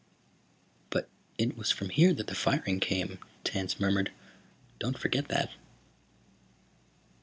"But it was from here that the firing came," Tance murmured. "Don't forget that."